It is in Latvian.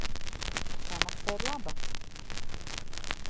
Samaksa ir laba.